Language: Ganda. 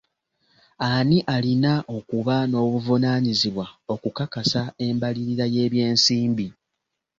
Ani alina okuba n'obuvunaanyizibwa okukakasa embalirira y'ebyensimbi?